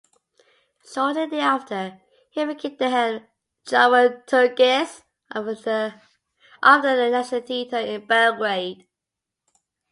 Shortly thereafter, he became the head dramaturgist of the National Theatre in Belgrade.